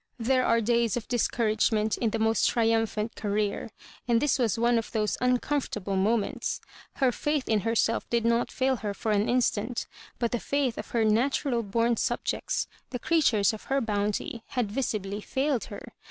There are days of discouragement ui the most triumphafit career, and this was one of those uncomfortable moments. Her faith in her self did not fail her for an instant; bu| the faith of her natural bom subjects— th0 creatures of her bounty — had visibly failed her.